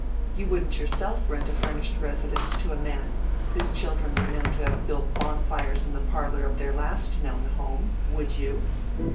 You wouldn't yourself rent a furnished residence to a man whose children were known to have built bonfires in the parlor of their last known home, would you?"